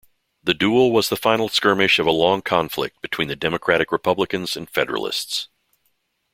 The duel was the final skirmish of a long conflict between Democratic-Republicans and Federalists.